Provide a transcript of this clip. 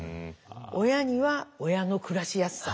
親には親の暮らしやすさ。